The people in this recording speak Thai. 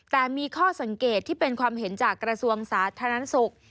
แต่มีข้อสังเกตที่เป็นความเห็นจากกระทรวงสาธารณสุข